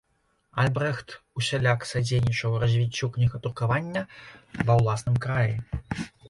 Альбрэхт усяляк садзейнічаў развіццю кнігадрукавання ва ўласным краі.